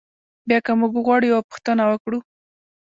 بیا که موږ وغواړو یوه پوښتنه وکړو.